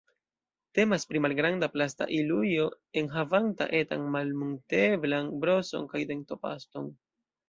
Temas pri malgranda plasta ilujo enhavanta etan malmunteblan broson kaj dentopaston.